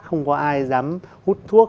không có ai dám hút thuốc